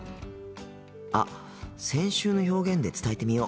あ先週の表現で伝えてみよう。